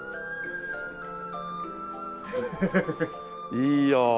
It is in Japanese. いいよ。